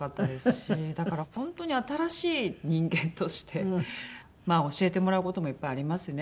だから本当に新しい人間として教えてもらう事もいっぱいありますね。